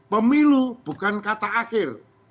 pemilu bukan kata akhir